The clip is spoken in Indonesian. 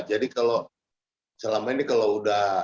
jadi kalau selama ini kalau udah